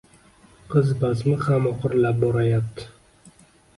Qiz bazmi ham oxirlab borayapti